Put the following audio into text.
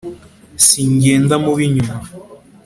singenda mu b'inyuma,